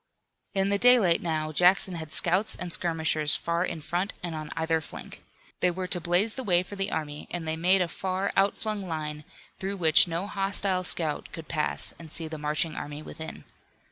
In the daylight now Jackson had scouts and skirmishers far in front and on either flank. They were to blaze the way for the army and they made a far out flung line, through which no hostile scout could pass and see the marching army within.